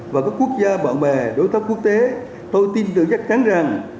và các quốc gia bạn bè đối tác quốc tế tôi tin tưởng chắc chắn rằng